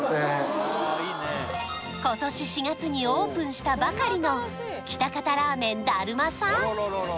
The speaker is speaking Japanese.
今年４月にオープンしたばかりの喜多方ラーメン達磨さん